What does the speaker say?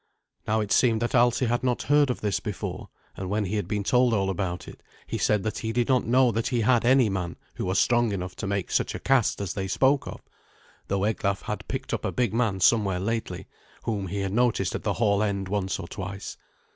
Now it seemed that Alsi had not heard of this before; and when he had been told all about it, he said that he did not know that he had any man who was strong enough to make such a cast as they spoke of, though Eglaf had picked up a big man somewhere lately, whom he had noticed at the hall end once or twice.